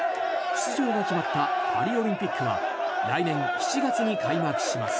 出場が決まったパリオリンピックは来年７月に開幕します。